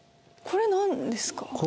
これ何ですか？